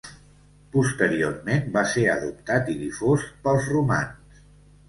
Posteriorment, va ser adoptat i difós pels romans.